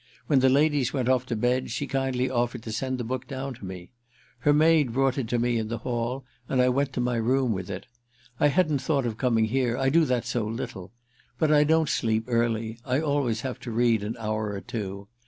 When the ladies went off to bed she kindly offered to send the book down to me. Her maid brought it to me in the hall and I went to my room with it. I hadn't thought of coming here, I do that so little. But I don't sleep early, I always have to read an hour or two.